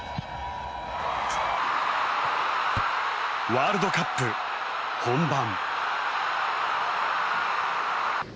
ワールドカップ本番。